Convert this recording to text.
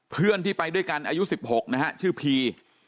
เพื่อนที่ไปด้วยกันอายุ๑๖นะฮะชื่อพี